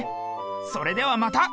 それではまた。